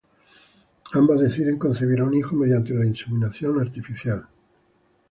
Ambas deciden concebir a un hijo mediante la inseminación artificial.